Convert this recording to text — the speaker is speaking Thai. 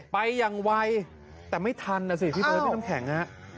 ไปอย่างไวแต่ไม่ทันนะสิพี่เบิ้ลไม่ต้องแข็ง